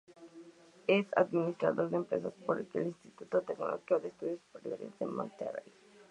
Es Administrador de Empresas por el Instituto Tecnológico y de Estudios Superiores de Monterrey.